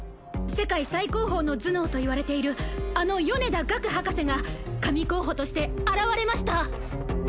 世界最高峰の頭脳といわれているあの米田我工博士が神候補として現れました